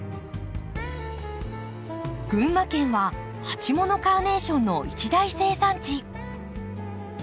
群馬県は鉢物カーネーションの一大生産地。